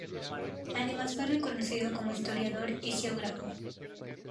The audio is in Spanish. Además fue reconocido como historiador y geógrafo.